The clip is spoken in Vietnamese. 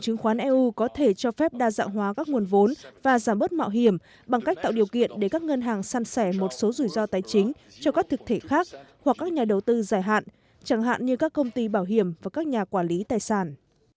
chứng khoán eu có thể cho phép đa dạng hóa các nguồn vốn và giảm bớt mạo hiểm bằng cách tạo điều kiện để các ngân hàng săn sẻ một số rủi ro tài chính cho các thực thể khác hoặc các nhà đầu tư dài hạn chẳng hạn như các công ty bảo hiểm và các nhà quản lý tài sản